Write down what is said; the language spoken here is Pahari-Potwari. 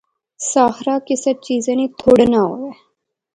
ساحرہ کسے چیزا نی تھوڑ نہ وہے